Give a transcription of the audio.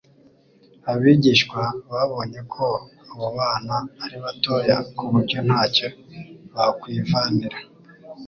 abigishwa babonye ko abo bana ari batoya ku buryo ntacyo bakwivanira